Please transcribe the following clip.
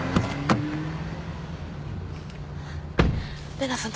玲奈さん。